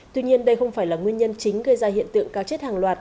tuy nhiên đây không phải là nguyên nhân chính gây ra hiện tượng cá chết hàng loạt